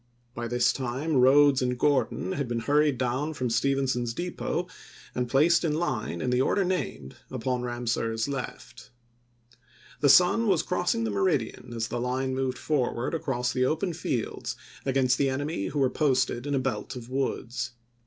By this time Rodes and Gordon had been hurried down from Stephenson's Depot, and placed in line, in the order named, upon Ramseur's left. The sun was crossing the meridian as the line moved forward across the open fields against the enemy who were posted in a belt of woods.